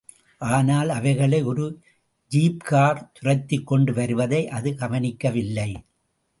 ஆனால், அவைகளை ஒரு ஜீப்கார் துரத்திக்கொண்டு வருவதை அது கவனிக்கவில்லை.